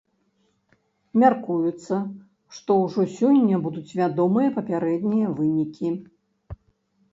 Мяркуецца, што ўжо сёння будуць вядомыя папярэднія вынікі.